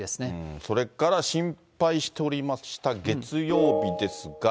それから心配しておりました月曜日ですが。